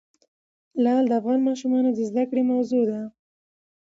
لعل د افغان ماشومانو د زده کړې موضوع ده.